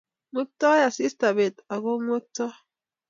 Ngwengtoi asista bet ako kwengtoi